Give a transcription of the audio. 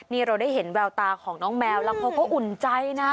นี่เราได้เห็นแววตาของน้องแมวแล้วเขาก็อุ่นใจนะ